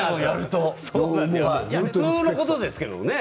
普通のことですけどね